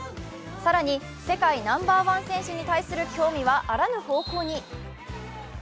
更に世界ナンバーワン選手に対する興味はあらぬ方向に。